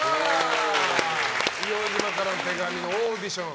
「硫黄島からの手紙」のオーディション。